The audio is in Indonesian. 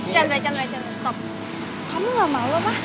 kamu gak malu apa